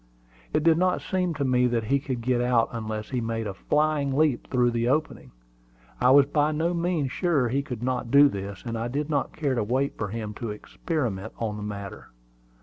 It did not seem to me that he could get out unless he made a flying leap through the opening. I was by no means sure he could not do this; and I did not care to wait for him to experiment on the matter.